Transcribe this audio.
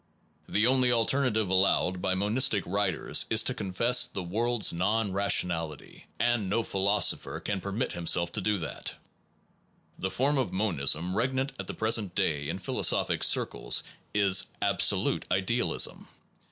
The only alternative allowed by monistic writers is to confess the 136 THE ONE AND THE MANY world s non rationality and no philosopher can permit himself to do that. The form of monism regnant at the present day in phi losophic circles is absolute idealism.